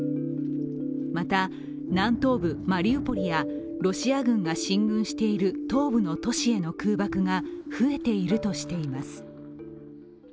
また、南東部マリウポリやロシア軍が進軍している東部の都市への空爆が増えているとしています。